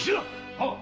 はっ。